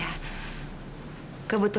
tapi saya melawatnya